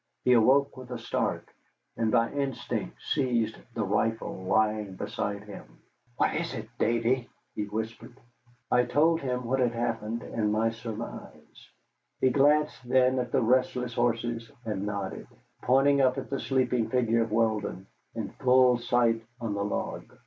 He awoke with a start, and by instinct seized the rifle lying beside him. "What is it, Davy?" he whispered. I told what had happened and my surmise. He glanced then at the restless horses and nodded, pointing up at the sleeping figure of Weldon, in full sight on the log.